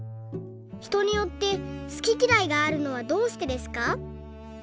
ひとによって好ききらいがあるのはどうしてですか？」。